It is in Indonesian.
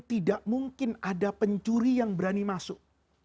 tidak mungkin ada pencuri yang berani masuk